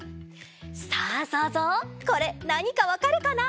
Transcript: さあそうぞうこれなにかわかるかな？